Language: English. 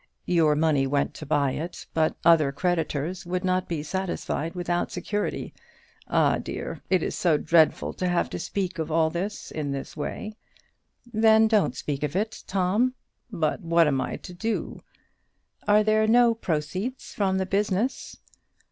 Your money went to buy it, but other creditors would not be satisfied without security. Ah, dear! it is so dreadful to have to speak of all this in this way." "Then don't speak of it, Tom." "But what am I to do?" "Are there no proceeds from the business?"